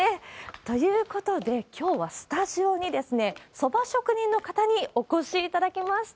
ということで、きょうはスタジオに、そば職人の方にお越しいただきました。